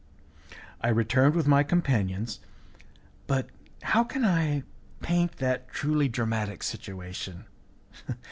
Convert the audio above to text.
I returned with my companions, but how can I paint that truly dramatic situation?